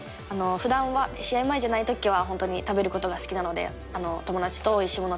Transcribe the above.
ふだんは、試合前じゃないときは、本当に食べることが好きなので、友達とおいしいもの